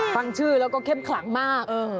ฟังชื่อแล้วก็เข้มขลังมาก